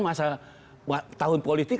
masa tahun politik